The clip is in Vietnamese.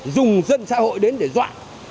dùng dân xã hội đến để dọa